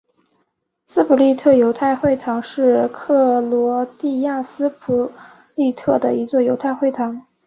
斯普利特犹太会堂是克罗地亚斯普利特的一座犹太会堂。